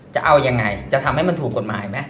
จะเอายังไงจะทำให้มันถูกกฎหมายไหม